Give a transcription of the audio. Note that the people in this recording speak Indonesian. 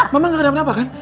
mama gak ada apa apa kan